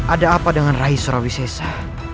ada apa dengan rai surawisesa